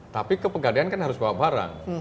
tapi ke pegadaian kan harus bawa barang